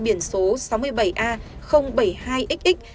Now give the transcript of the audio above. biển số sáu mươi bảy a bảy mươi hai xx